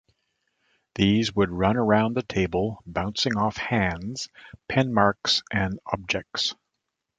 These would run around the table, bouncing off hands, pen marks and objects.